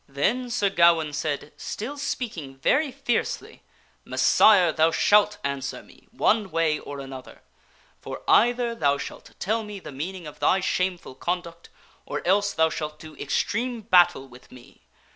Then Sir Gawaine said, still speaking very fiercely, " Messire ! thou shalt answer me one way or another ! For either thou shalt tell me the meaning of thy shameful conduct, or else thou shalt do extreme battle with me.